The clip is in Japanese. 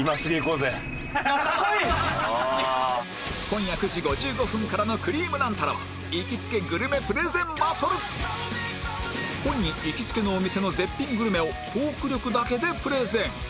今夜９時５５分からの『くりぃむナンタラ』は行きつけグルメプレゼンバトル本人行きつけのお店の絶品グルメをトーク力だけでプレゼン